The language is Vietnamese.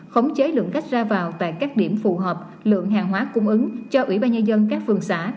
khống chế lượng cách ra vào tại các điểm phù hợp lượng hàng hóa cung ứng cho ubnd các phường xã